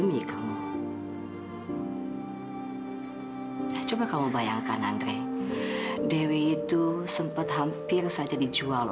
yo kok kamu sendirian